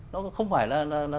nó không phải là